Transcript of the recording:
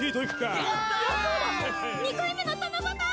２回目の七夕！